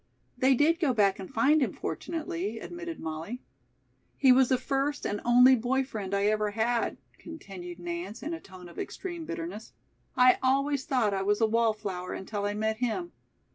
"They did go back and find him, fortunately," admitted Molly. "He was the first and only boy friend I have ever had," continued Nance in a tone of extreme bitterness. "I always thought I was a wallflower until I met him.